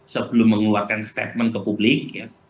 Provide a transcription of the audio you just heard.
sebelum mengeluarkan statement ke publik